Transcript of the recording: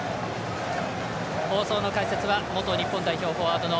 放送の解説は元日本代表フォワードの